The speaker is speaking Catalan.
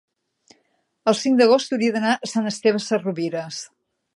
el cinc d'agost hauria d'anar a Sant Esteve Sesrovires.